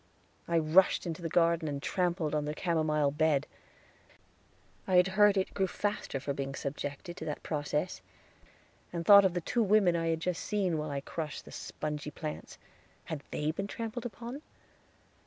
I rushed into the garden and trampled the chamomile bed. I had heard that it grew faster for being subjected to that process, and thought of the two women I had just seen while I crushed the spongy plants. Had they been trampled upon?